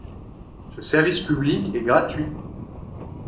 Ce service public est gratuit.